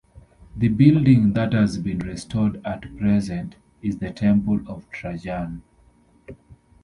The building that has been restored at present, is the Temple of Trajan.